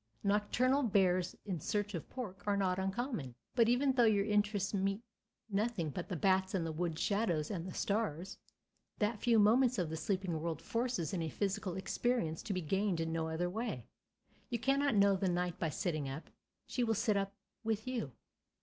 Nocturnal bears in search of pork are not uncommon. But even though your interest meets nothing but the bats and the woods shadows and the stars, that few moments of the sleeping world forces is a psychical experience to be gained in no other way. You cannot know the night by sitting up; she will sit up with you.